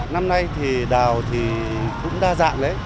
năm nay thì đào thì cũng đa dạng đấy